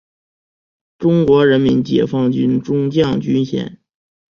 中国人民解放军中将军衔。